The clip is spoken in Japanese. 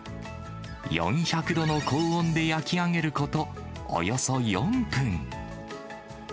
４００度の高温で焼き上げることおよそ４分。